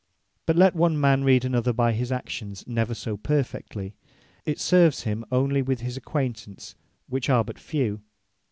But let one man read another by his actions never so perfectly, it serves him onely with his acquaintance, which are but few.